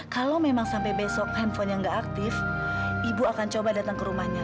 kalau memang sampai besok handphonenya nggak aktif ibu akan coba datang ke rumahnya